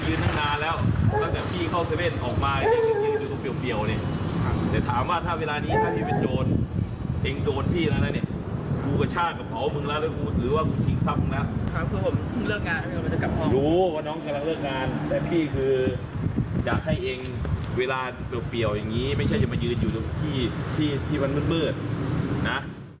คืออยากให้เองเวลาเปรียวอย่างนี้ไม่ใช่จะมายืนอยู่ที่มันเบิดนะ